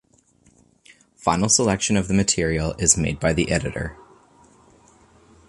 Final selection of the material is made by the editor.